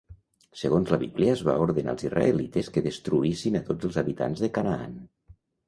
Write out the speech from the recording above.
Segons la Bíblia, es va ordenar als israelites que destruïssin a tots els habitants de Canaan.